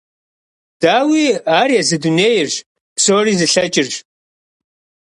Дауи, ар езы дунейрщ, псори зылъэкӀырщ.